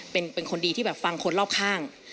เป็นคนดีที่แบบฟังคนรอบข้าง